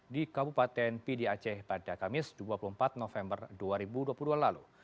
di kabupaten pdi aceh pada kamis dua puluh empat november dua ribu dua puluh dua lalu